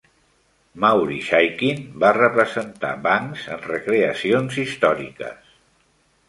Maury Chaykin va representar Banks en recreacions històriques.